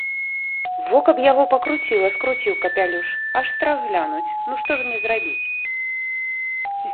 Во каб яго пакруціла, скруціў капялюш, аж страх глянуць, ну, што ж мне зрабіць?